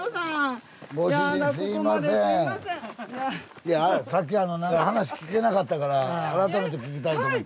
いやさっき何か話聞けなかったから改めて聞きたいと思って。